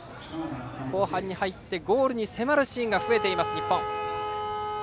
後半に入ってゴールに迫るシーンが増えています、日本。